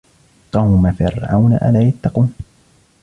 قَوْمَ فِرْعَوْنَ أَلَا يَتَّقُونَ